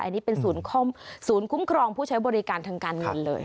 อันนี้เป็นศูนย์คุ้มครองผู้ใช้บริการทางการเงินเลย